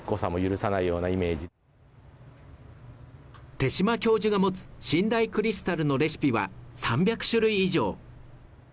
手嶋教授が持つ信大クリスタルのレシピは、３００種類以上。